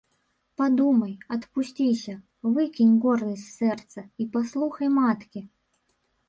Падумай, адпусціся, выкінь гордасць з сэрца і паслухай маткі!